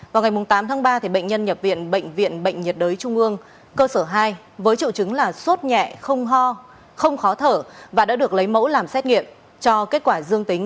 vào ngày tám tháng ba bệnh nhân nhập viện bệnh viện bệnh nhiệt đới trung ương cơ sở hai với triệu chứng là sốt nhẹ không ho không khó thở và đã được lấy mẫu làm xét nghiệm cho kết quả dương tính